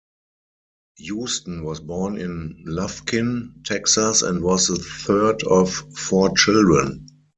Houston was born in Lufkin, Texas and was the third of four children.